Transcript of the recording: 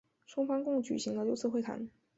双方共举行了六次会谈。